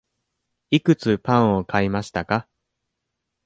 いくつパンを買いましたか。